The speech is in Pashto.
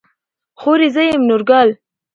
خورې زه يم نورګل.